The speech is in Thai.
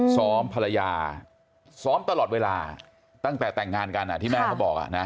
ซ้อมภรรยาซ้อมตลอดเวลาตั้งแต่แต่งงานกันที่แม่เขาบอกนะ